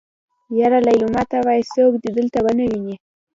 يره ليلما ته وايه څوک دې دلته ونه ويني.